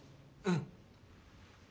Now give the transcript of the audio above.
うん。